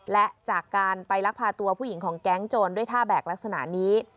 และจากการไปลักพาตัวผู้หญิงของแก๊งโจรด้วยท่าแบกลักษณะนี้